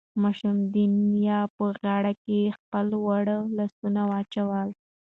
ماشوم د نیا په غاړه کې خپل واړه لاسونه واچول.